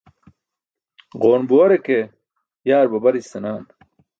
Ġoon buware ke yaar babaris senaan.